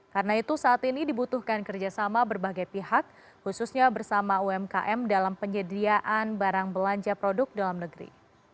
karena itu saat ini dibutuhkan kerjasama berbagai pihak khususnya bersama umkm dalam penyediaan barang belanja produk dalam negeri